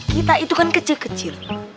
kita itu kan kecil kecil